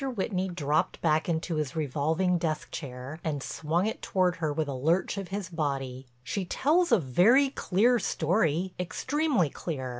Whitney dropped back into his revolving desk chair and swung it toward her with a lurch of his body: "She tells a very clear story—extremely clear.